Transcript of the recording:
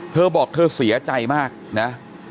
เธอบอกเธอเสียใจมากนะ